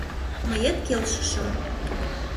Мыет келшышым.